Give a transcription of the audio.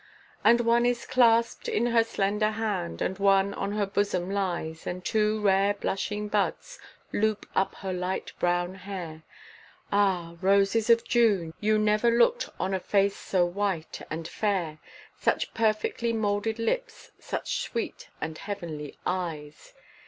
And one is clasped in her slender hand, and one on her bosom lies, And two rare blushing buds loop up her light brown hair, Ah, roses of June, you never looked on a face so white and fair, Such perfectly moulded lips, such sweet and heavenly eyes.